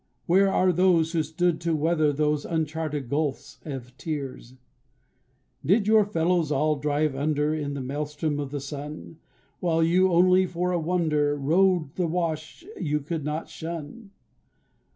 Where are those who stood to weather These uncharted gulfs of tears? Did your fellows all drive under In the maelstrom of the sun, While you only, for a wonder, Rode the wash you could not shun?